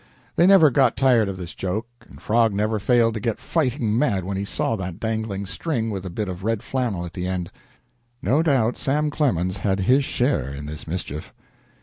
They never got tired of this joke, and Frog never failed to get fighting mad when he saw that dangling string with the bit of red flannel at the end. No doubt Sam Clemens had his share in this mischief.